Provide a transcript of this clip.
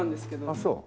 あっそう。